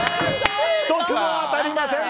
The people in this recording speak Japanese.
１つも当たりません！